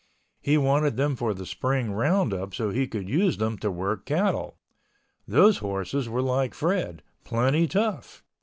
He wanted them for the Spring roundup so he could use them to work cattle. Those horses were like Fred—plenty tough.